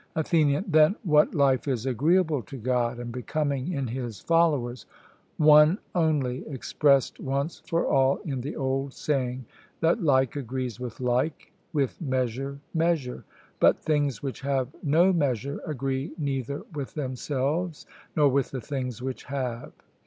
ATHENIAN: Then what life is agreeable to God, and becoming in His followers? One only, expressed once for all in the old saying that 'like agrees with like, with measure measure,' but things which have no measure agree neither with themselves nor with the things which have.